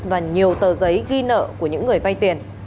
và nhiều tờ giấy ghi nợ của những người vay tiền